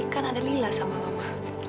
kan ada lila sama mama